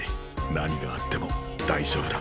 何があっても大丈夫だ。